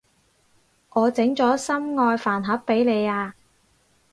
我整咗愛心飯盒畀你啊